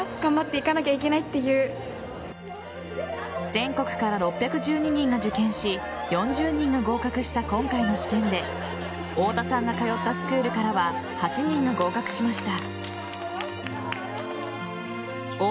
全国から６１２人が受験し４０人が合格した今回の試験で太田さんが通ったスクールからは８人が合格しました。